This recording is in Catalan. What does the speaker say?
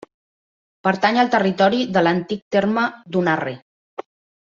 Pertany al territori de l'antic terme d'Unarre.